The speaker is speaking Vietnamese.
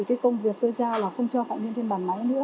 cái công việc tôi giao là không cho phạm nhân thêm bàn máy nữa